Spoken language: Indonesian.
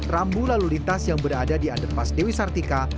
rambu lalu lintas yang berada di underpass dewi sartika